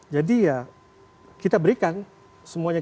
jadi ya kita berikan semuanya